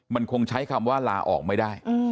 มันคงใช้คำว่าลาออกไม่ได้